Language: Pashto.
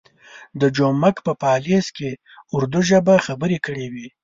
د جومک په پالیز کې اردو ژبه خبرې کړې وې.